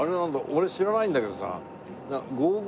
俺知らないんだけどさあ